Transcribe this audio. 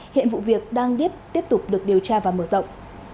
hiện vụ việc đang tiếp tục được điều tra và mở rộng